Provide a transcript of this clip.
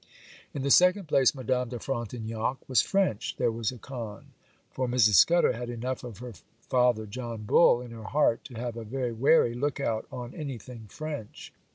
In the second place, Madame de Frontignac was French, there was a con; for Mrs. Scudder had enough of her father John Bull in her heart to have a very wary look out on anything French.